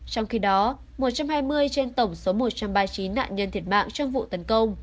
trong khi đó một trăm hai mươi trên tổng số một trăm ba mươi chín nạn nhân thiệt mạng trong vụ tấn công